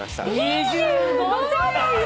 ２５歳よ！